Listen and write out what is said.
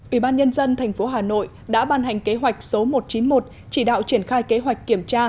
ủy ban nhân dân tp hà nội đã ban hành kế hoạch số một trăm chín mươi một chỉ đạo triển khai kế hoạch kiểm tra